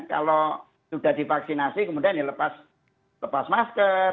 kalau sudah divaksinasi kemudian ya lepas masker